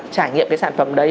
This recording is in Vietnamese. trải nghiệm cái sản phẩm đấy